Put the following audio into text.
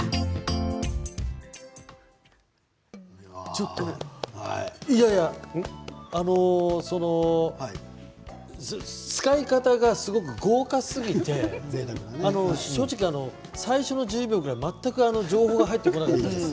ちょっと、いやいやあの、その使い方がすごく豪華すぎて正直、最初の１０秒ぐらい全く情報が入ってこなかったです。